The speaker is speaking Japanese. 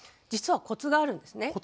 実はコツがあるんですね。